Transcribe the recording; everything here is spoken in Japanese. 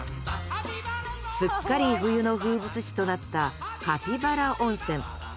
すっかり冬の風物詩となったカピバラ温泉。